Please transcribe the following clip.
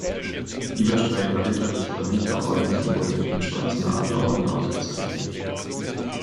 Bieberstein war Ritter des Johanniterordens und wurde mit dem Schwarzen Adlerorden ausgezeichnet.